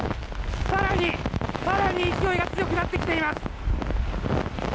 更に、更に勢いが強くなってきています。